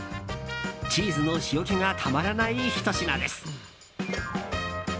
チーズの塩気がたまらないひと品です。